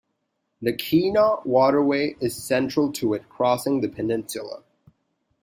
The Keweenaw Waterway is central to it, crossing the peninsula.